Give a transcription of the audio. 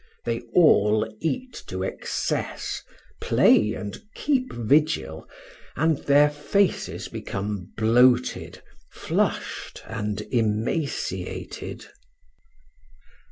They all eat to excess, play and keep vigil, and their faces become bloated, flushed, and emaciated.